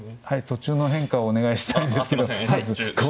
途中の変化をお願いしたいんですけど。